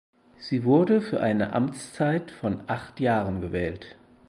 Sie wurde für eine Amtszeit von acht Jahren gewählt.